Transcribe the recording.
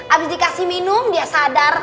abis dikasih minum dia sadar